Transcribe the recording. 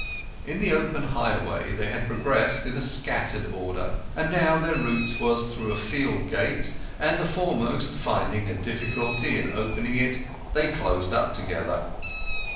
In the open highway they had progressed in scattered order; but now their route was through a field gate, and the foremost finding a difficulty in opening it, they closed up together.